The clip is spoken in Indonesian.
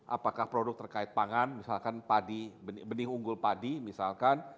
apakah produk terkait pangan misalkan padi benih unggul padi misalkan